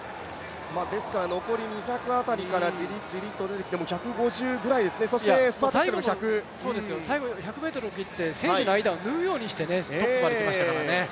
ですから残り２００辺りからじりじりと出てきてもう１５０くらい、そしてラストの１００最後１００ｍを切って選手の間を縫うようにしてトップまで来ましたからね。